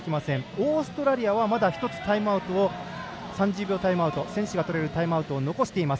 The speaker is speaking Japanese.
オーストラリアは、まだ１つ３０秒タイムアウト選手がとれるタイムアウト残しています。